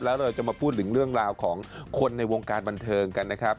แล้วเราจะมาพูดถึงเรื่องราวของคนในวงการบันเทิงกันนะครับ